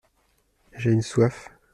J’ai une soif !